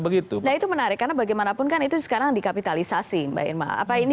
begitu nah itu menarik karena bagaimanapun kan itu sekarang dikapitalisasi mbak irma apa ini